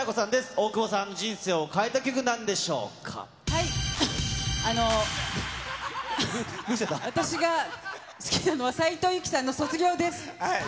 大久保さんの人生を変えた曲なんあの、私が、好きなのは斉藤由貴さんの卒業です。